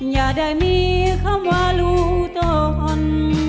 อย่าได้มีคำว่ารู้จน